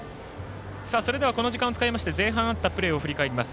この時間を使いまして前半にあったプレーを振り返ります。